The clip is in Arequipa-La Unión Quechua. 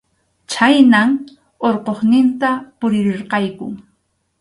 Chhaynam Urqusninta puririrqayku.